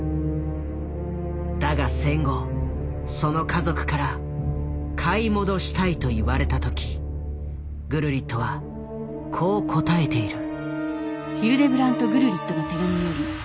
だが戦後その家族から買い戻したいと言われた時グルリットはこう答えている。